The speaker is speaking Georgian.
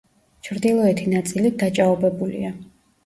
ჩრდილოეთი ნაწილი დაჭაობებულია.